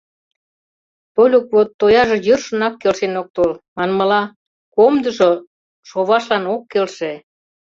Тольык вот тояже йӧршынак келшен ок тол, манмыла, комдыжо шовашлан ок келше.